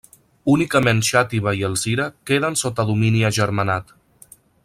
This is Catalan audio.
Únicament Xàtiva i Alzira queden sota domini agermanat.